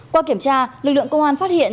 qua kiểm tra lực lượng công an phát hiện